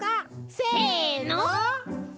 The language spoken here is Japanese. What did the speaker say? せの。